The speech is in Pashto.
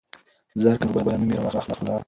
زر کوه نورګله نوم يې راته واخله.